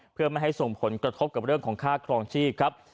เพื่อไม่ให้ส่งผลกระทบกับเรื่องของค่าครองชีพครับ